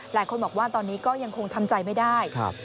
หลายคนบอกว่าตอนนี้ก็ยังคงทำใจไม่ได้